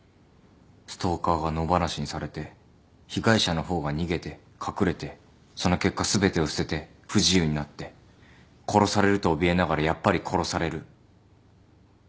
ストーカーが野放しにされて被害者の方が逃げて隠れてその結果全てを捨てて不自由になって殺されるとおびえながらやっぱり殺される。